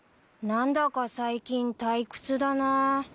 何だか最近退屈だなぁ。